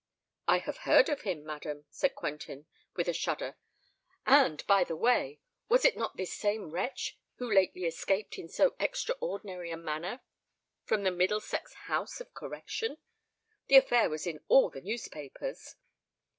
"I have heard of him, madam," said Quentin, with a shudder. "And, by the by—was it not this same wretch who lately escaped in so extraordinary a manner from the Middlesex House of Correction? The affair was in all the newspapers."